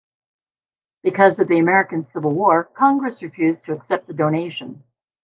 Because of the American Civil War, Congress refused to accept the donation.